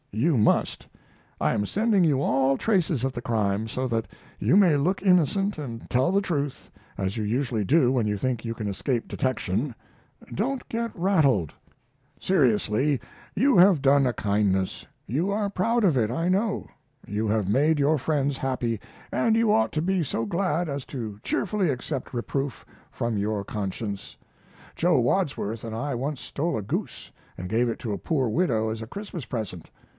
You must. I am sending you all traces of the crime, so that you may look innocent and tell the truth, as you usually do when you think you can escape detection. Don't get rattled. Seriously. You have done a kindness. You are proud of it, I know. You have made your friends happy, and you ought to be so glad as to cheerfully accept reproof from your conscience. Joe Wadsworth and I once stole a goose and gave it to a poor widow as a Christmas present.